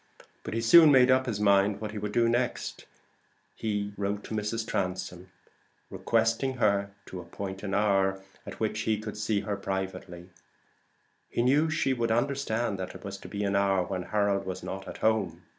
But he soon made up his mind what he would do next. He wrote to Mrs. Transome requesting her to appoint an hour in which he could see her privately: he knew she would understand that it was to be an hour when Harold was not at home.